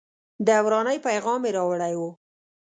د ورانۍ پیغام یې راوړی و.